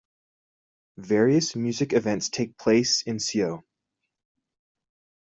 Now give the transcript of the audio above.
Various music events take place at Sceaux.